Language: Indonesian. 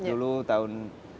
dulu tahun dua ribu